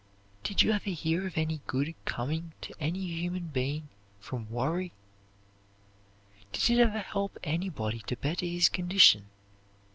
Did you ever hear of any good coming to any human being from worry? Did it ever help anybody to better his condition?